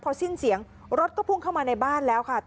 พอสิ้นเสียงรถก็พุ่งเข้ามาในบ้านแล้วค่ะ